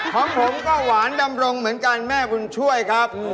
ของผมก็หวานดำรงเหมือนกันแม่บุญช่วยครับ